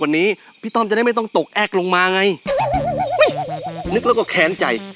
วันนี้พี่ต้อมจะได้ไม่ต้องตกแอ๊กลงมาไงนึกแล้วก็แค้นใจ